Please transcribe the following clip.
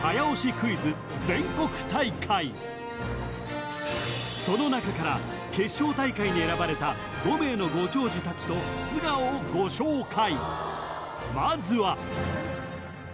クイズ全国大会その中から決勝大会に選ばれた５名のご長寿たちと素顔をご紹介